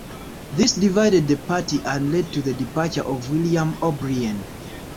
This divided the Party and led to the departure of William O'Brien.